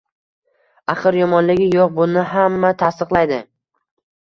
Axir, yomonligi yo`q buni hamma tasdiqlaydi